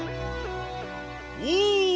お！